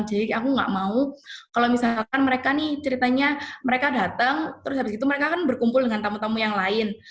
jadi aku nggak mau kalau misalkan mereka nih ceritanya mereka datang terus habis itu mereka kan berkumpul dengan tamu tamu yang lain